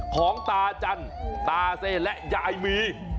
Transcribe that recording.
ของตาจันตาเซและยายมี